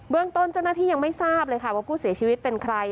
เรื่องต้นเจ้าหน้าที่ยังไม่ทราบเลยค่ะว่าผู้เสียชีวิตเป็นใคร